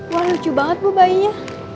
wah lucu banget bu bayinya